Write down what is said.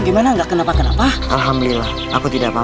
gimana enggak kenapa kenapa alhamdulillah aku tidak paham